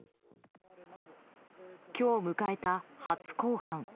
今日迎えた初公判。